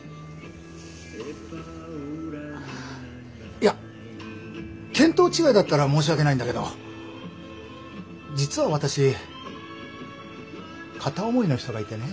いや見当違いだったら申し訳ないんだけど実は私片思いの人がいてね。